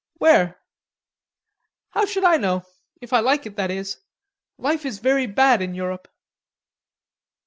"Where?" "How should I know? If I like it, that is.... Life is very bad in Europe."